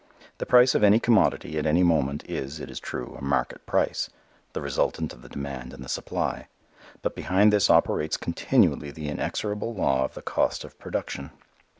The price of any commodity at any moment is, it is true, a "market price," the resultant of the demand and the supply; but behind this operates continually the inexorable law of the cost of production.